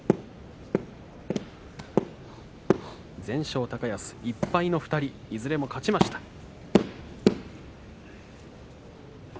全勝高安、１敗の２人いずれも勝ちました。